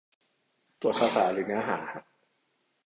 ตรวจภาษาหรือเนื้อหาฮะ